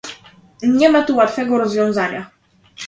Nie ma tu łatwego rozwiązania